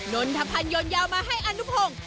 นนทพันธ์ยนยาวมาให้อนุพงศ์